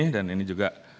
dan ini juga